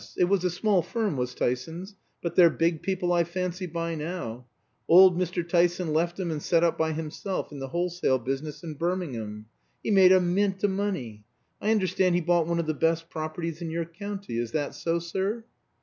It was a small firm, was Tyson's. But they're big people, I fancy, by now. Old Mr. Tyson left 'em and set up by himself in the wholesale business in Birmingham. He made a mint o' money. I understand he bought one of the best properties in your county; is that so, sir?"